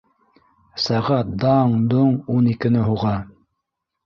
Сәғәт даң-доң ун икене һуға.